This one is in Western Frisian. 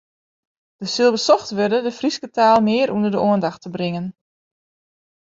Der sil besocht wurde de Fryske taal mear ûnder de oandacht te bringen.